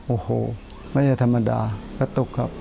โอ้โหไม่ได้ธรรมดากระตุกครับ